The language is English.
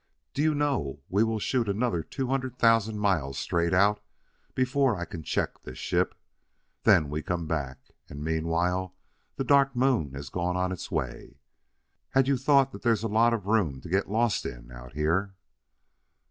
Do you know we will shoot another two hundred thousand miles straight out before I can check this ship? Then we come back; and meanwhile the Dark Moon has gone on its way. Had you thought that there's a lot of room to get lost in out here?"